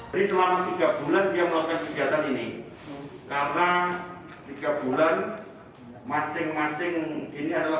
selama tiga bulan yang loket kejahatan ini karena tiga bulan masing masing ini adalah